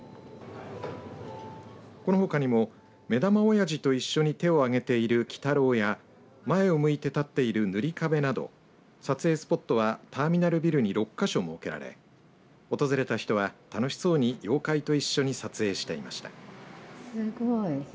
このほかにも、目玉おやじと一緒に手を挙げている鬼太郎や、前を向いて立っているぬりかべなど撮影スポットはターミナルビルに６か所設けられ訪れた人は、楽しそうに妖怪と一緒に撮影していました。